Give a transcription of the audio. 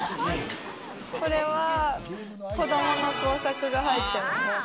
これは子供の工作が入ってます。